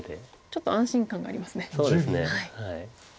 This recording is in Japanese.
ちょっと安心感がありますね。